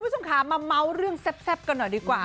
คุณผู้ชมค่ะมาเมาส์เรื่องแซ่บกันหน่อยดีกว่า